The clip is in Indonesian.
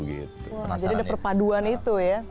jadi ada perpaduan itu ya